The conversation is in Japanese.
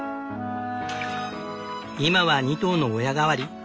今は２頭の親代わり。